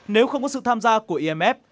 nếu không có sự tham gia của imf